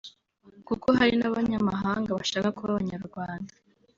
kuko hari n’Abanyamahanga bashaka kuba Abanyarwanda”